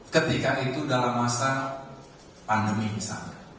ketika itu dalam masa pandemi misalnya